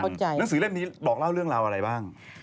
หนังสือเล่มนี้บอกเล่าเรื่องราวอะไรบ้าง